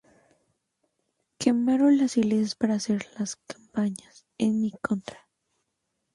Quemaron las iglesias para hacer las campañas en mi contra.